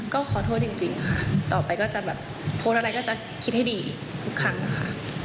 ก็ขอโทษจริงค่ะต่อไปก็จะแบบโพสต์อะไรก็จะคิดให้ดีทุกครั้งค่ะ